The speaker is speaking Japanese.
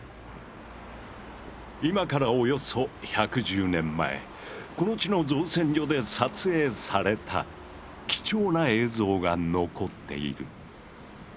今からおよそ１１０年前この地の造船所で撮影された貴重な映像が残っている。